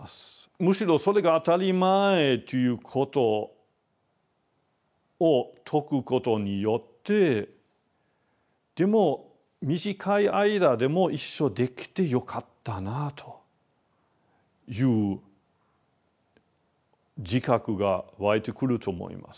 むしろそれが当たり前ということを説くことによってでも短い間でも一緒できてよかったなあという自覚がわいてくると思いますね。